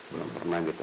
belum pernah gitu